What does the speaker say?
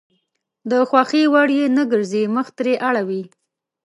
د خوښې وړ يې نه ګرځي مخ ترې اړوي.